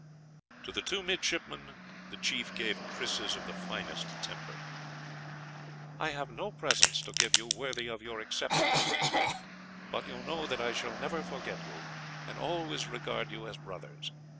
To the two midshipmen the chief gave krises of the finest temper. "I have no presents to give you worthy of your acceptance," he said; "but you know that I shall never forget you, and always regard you as brothers.